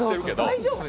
大丈夫？